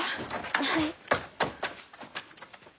はい。